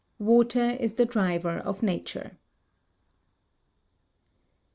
Water is the driver of nature.